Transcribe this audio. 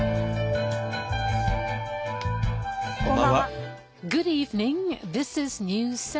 こんばんは。